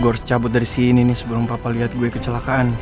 gue harus cabut dari sini nih sebelum papa lihat gue kecelakaan